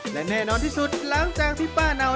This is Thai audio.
และแน่นอนที่สุดหลังจากที่ป้าเนา